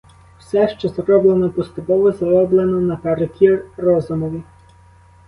Все, що зроблено поступового, зроблено наперекір розумові.